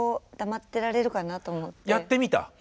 やってみた？